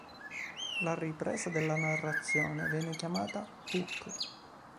La "ripresa" della narrazione viene chiamata "hook".